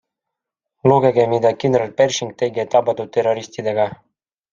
Lugege, mida kindral Pershing tegi tabatud terroristidega.